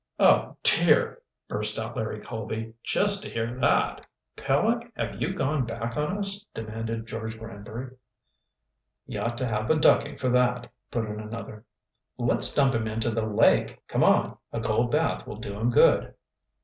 "Oh, dear!" burst out Larry Colby. "Just to hear that!" "Peleg, have you gone back on us?" demanded George Granbury. "He ought to have a ducking for that," put in another. "Let's dump him into the lake!" "Come on, a cold bath will do him good!"